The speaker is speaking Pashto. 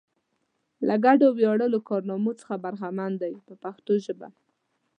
له ګډو ویاړلو کارنامو څخه برخمن دي په پښتو ژبه.